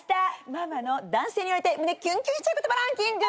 ママの男性に言われて胸キュンキュンしちゃう言葉ランキング。